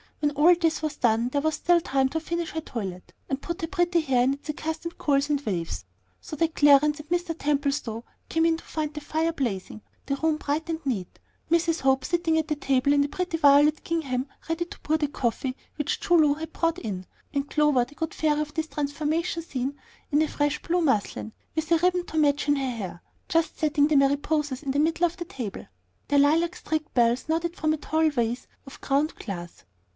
When all this was done, there was still time to finish her toilet and put her pretty hair in its accustomed coils and waves; so that Clarence and Mr. Templestowe came in to find the fire blazing, the room bright and neat, Mrs. Hope sitting at the table in a pretty violet gingham ready to pour the coffee which Choo Loo had brought in, and Clover, the good fairy of this transformation scene, in a fresh blue muslin, with a ribbon to match in her hair, just setting the mariposas in the middle of the table. Their lilac streaked bells nodded from a tall vase of ground glass.